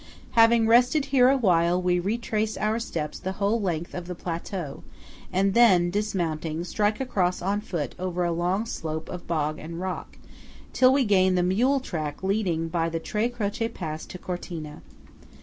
Having rested here awhile, we retrace our steps the whole length of the plateau, and then, dismounting, strike across on foot over a long slope of bog and rock, till we gain the mule track leading by the Tre Croce pass to Cortina.